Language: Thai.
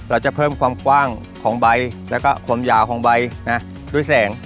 เราจะเพิ่มความกว้างของใบแล้วก็ความยาวของใบนะด้วยแสง